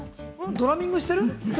ドラミングしてる？